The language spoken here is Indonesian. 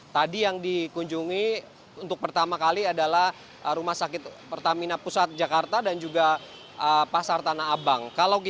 tadi yang dikunjungi untuk pertama kali adalah rumah sakit pertamina pusat jakarta dan juga pasar tanah abang